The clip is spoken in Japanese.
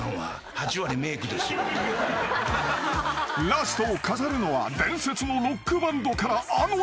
［ラストを飾るのは伝説のロックバンドからあの人が］